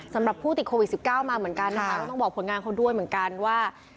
สำหรับผู้ติดโควิด๑๙มาเหมือนกันนะคะก็ต้องบอกผลงานเขาด้วยเหมือนกันว่า